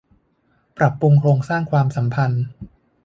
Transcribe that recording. ปรับปรุงโครงสร้างความสัมพันธ์